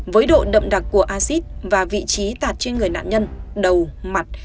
với độ đậm đặc của acid và vị trí tạt trên người nạn nhân đầu mặt